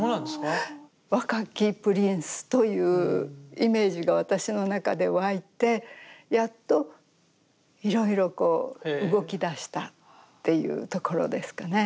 若きプリンスというイメージが私の中で湧いてやっといろいろこう動きだしたっていうところですかね。